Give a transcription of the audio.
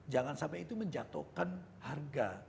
jangan sampai itu menjatuhkan harga